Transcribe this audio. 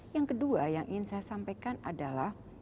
yang kedua yang ingin saya sampaikan adalah